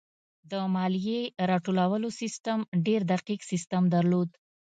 د مالیې راټولولو سیستم ډېر دقیق سیستم درلود.